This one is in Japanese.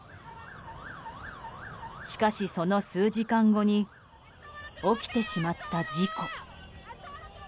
しかし、その数時間後に起きてしまった事故。